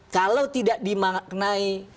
kalau tidak dimaknai